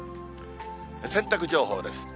洗濯情報です。